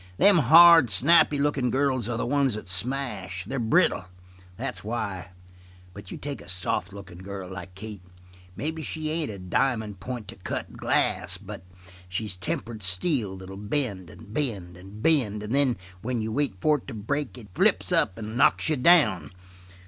Them hard, snappy lookin' girls are the ones that smash. They're brittle, that's why; but you take a soft lookin' girl like Kate, maybe she ain't a diamond point to cut glass, but she's tempered steel that'll bend, and bend, and bend, and then when you wait for it to break it flips up and knocks you down.